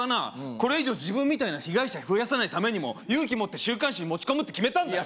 これ以上自分みたいな被害者増やさないためにも勇気持って週刊誌に持ち込むって決めたんだよ